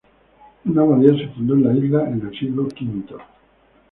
Una abadía se fundó en la isla en el siglo quinto.